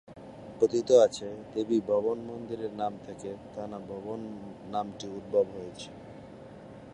কথিত আছে, দেবী ভবন মন্দিরের নাম থেকে থানা ভবন নামটির উদ্ভব হয়েছে।